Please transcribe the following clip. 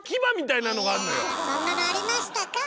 いやそんなのありましたか？